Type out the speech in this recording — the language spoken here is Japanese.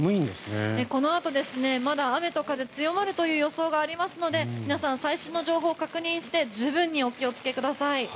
このあとまだ雨と風強まるという予想がありますので皆さん、最新の情報を確認して十分にお気をつけください。